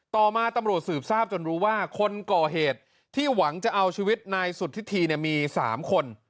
ต่อมาตำรวจสืบทราบจนรู้ว่าคนก่อเหตุที่หวังจะเอาชีวิตนายสุธิธีมี๓คน